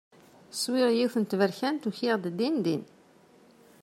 Swiɣ yiwet n tberkant, ukiɣ-d din din.